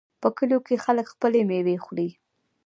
په کلیو کې خلک خپلې میوې خوري.